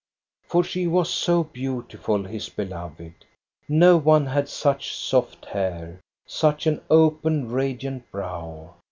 For she was so beautiful, his beloved ! No one had such soft hair, such an open, radiant brow.